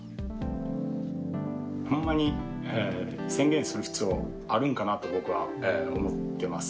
ほんまに宣言する必要あるんかなと、僕は思ってます。